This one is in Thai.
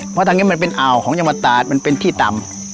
เพราะทางนี้มันเป็นอ่าวของจังหวัดตาดมันเป็นที่ต่ำ